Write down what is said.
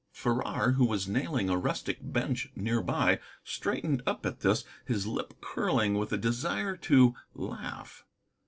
Farrar, who was nailing a rustic bench near by, straightened up at this, his lip curling with a desire to laugh.